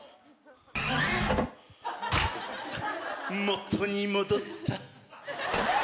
元に戻った。